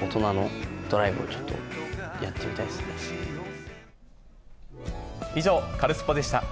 大人のドライブをちょっとやって以上、カルスポっ！でした。